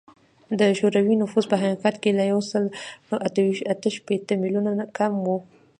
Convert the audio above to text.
د شوروي نفوس په حقیقت کې له یو سل اته شپیته میلیونه کم و